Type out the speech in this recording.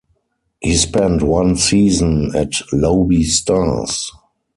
He spent one season at Lobi Stars.